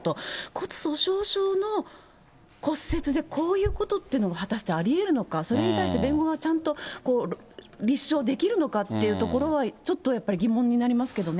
骨粗しょう症の骨折でこういうことっていうのが果たしてありえるのか、それに対して弁護側はちゃんと立証できるのかというところは、ちょっとやっぱり疑問になりますけどね。